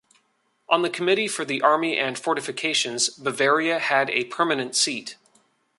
On the committee for the army and fortifications, Bavaria had a permanent seat.